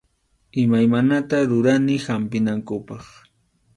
Imaymanata rurani hampinankupaq.